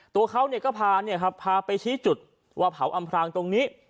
ตัวเขาก็พาพาไปชี้จุดว่าเผาอำพรางตรงนี้